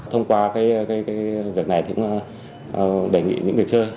thông qua việc này thì cũng đề nghị những người chơi